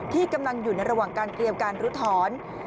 ที่กำลังอยู่ในระหว่างการเกลียวการรุทหรณ